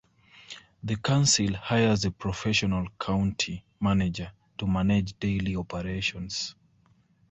The council hires a professional county manager to manage daily operations.